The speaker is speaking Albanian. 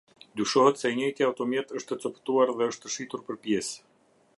Dyshohet se i njëjti automjet, është copëtuar dhe është shitur për pjesë.